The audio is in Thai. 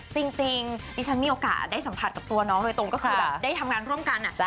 จริงดิฉันมีโอกาสได้สัมผัสกับตัวน้องโดยตรงก็คือแบบได้ทำงานร่วมกัน